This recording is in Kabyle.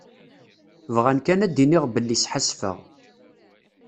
Bɣan kan ad d-iniɣ belli sḥassfeɣ.